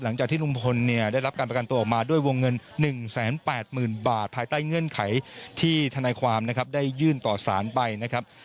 หลังจากที่ลุงพลเนี่ยได้รับการประกันตัวออกมาด้วยวงเงิน๑๘๐๐๐บาทภายใต้เงื่อนไขที่ธนายความนะครับได้ยื่นต่อสารไปนะครับ